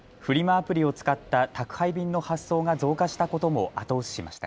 アプリを使った宅配便の発送が増加したことも後押ししました。